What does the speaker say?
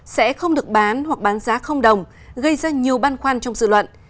sẽ không được bán hoặc bán giá không đồng gây ra nhiều băn khoăn trong dự luận